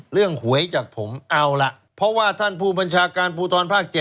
หวยจากผมเอาล่ะเพราะว่าท่านผู้บัญชาการภูทรภาค๗